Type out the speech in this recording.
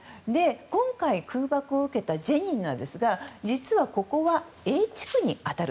今回空爆を受けたジェニンですが実はＡ地区に当たる。